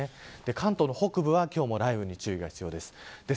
関東の北部は今日も雷雨に注意が必要です。